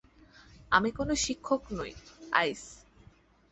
আমি কোনো শিক্ষক নই, আইস।